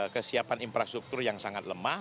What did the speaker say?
kesiapan infrastruktur yang sangat lemah